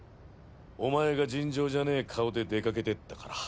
お前が尋常じゃねぇ顔で出かけてったから。